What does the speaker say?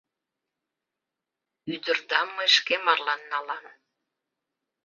Ӱдырдам мый шке марлан налам.